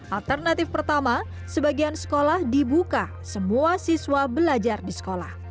alternatif pertama sebagian sekolah dibuka semua siswa belajar di sekolah